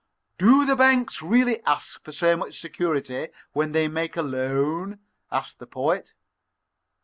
"Do the banks really ask for so much security when they make a loan?" asked the Poet.